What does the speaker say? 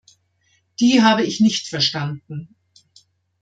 Die habe ich nicht verstanden.